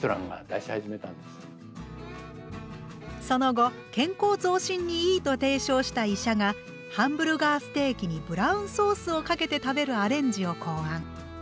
その後健康増進にいいと提唱した医者がハンブルガーステーキにブラウンソースをかけて食べるアレンジを考案。